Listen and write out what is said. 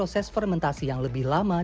sebenarnya harusnya lama